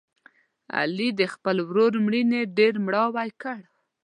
علي د خپل ورور مړینې ډېر مړاوی کړ.